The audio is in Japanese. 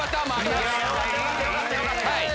よかったよかった！